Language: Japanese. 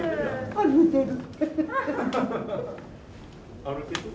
歩いてる。